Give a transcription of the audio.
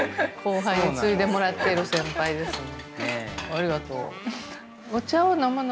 「ありがとう」。